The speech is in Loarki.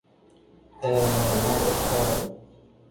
ھي ھين ھمي اوٺيا ھارو